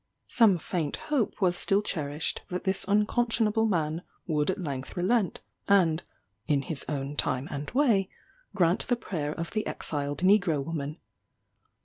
Some faint hope was still cherished that this unconscionable man would at length relent, and "in his own time and way," grant the prayer of the exiled negro woman.